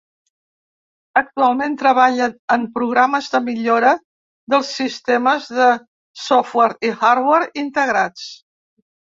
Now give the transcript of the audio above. Actualment treballa en programes de millora dels sistemes de Software i Hardware integrats.